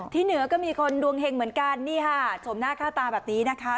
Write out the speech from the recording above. เหนือก็มีคนดวงเห็งเหมือนกันนี่ค่ะชมหน้าค่าตาแบบนี้นะคะ